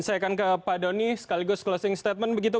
saya akan ke pak doni sekaligus closing statement begitu